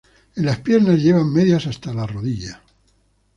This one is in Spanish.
En las piernas llevan medias hasta la rodilla.